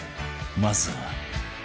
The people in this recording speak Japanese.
まずは